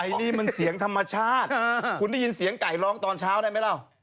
อันนี้มันเสียงธรรมชาติคุณได้ยินเสียงไก่ร้องตอนเช้าได้ไหมเล่า